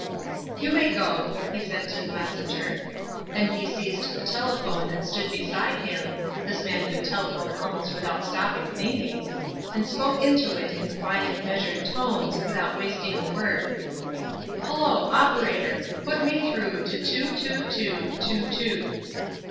"You may go," he said to the messenger. Then he seized the telephone that stood beside him (this man could telephone almost without stopping thinking) and spoke into it in quiet, measured tones, without wasting a word. "Hullo, operator! Put me through to two, two, two, two, two.